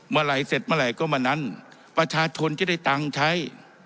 เมื่อไหร่เสร็จเมื่อไหร่ก็มานั้นประชาชนจะได้ตังค์ใช้